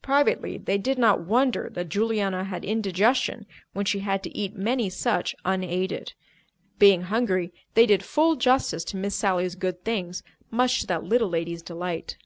Privately, they did not wonder that Juliana had indigestion when she had to eat many such unaided. Being hungry, they did full justice to Miss Sally's good things, much to that little lady's delight.